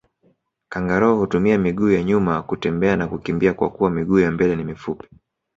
Kangaroo hutumia miguu ya nyuma kutembea na kukimbia kwakuwa miguu ya mbele ni mifupi